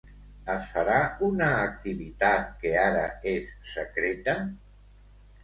Es farà una activitat que ara és secreta?